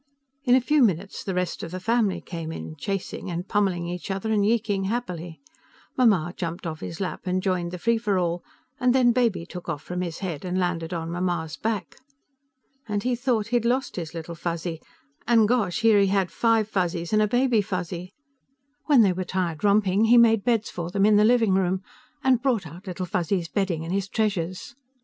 In a few minutes, the rest of the family came in, chasing and pummeling each other and yeeking happily. Mamma jumped off his lap and joined the free for all, and then Baby took off from his head and landed on Mamma's back. And he thought he'd lost his Little Fuzzy, and, gosh, here he had five Fuzzies and a Baby Fuzzy. When they were tired romping, he made beds for them in the living room, and brought out Little Fuzzy's bedding and his treasures.